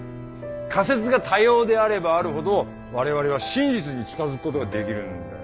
仮説が多様であればあるほど我々は真実に近づくことができるんだよ。